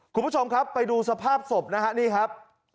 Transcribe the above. คุณผู้ชมครับไปดูสภาพศพนะฮะนี่ครับ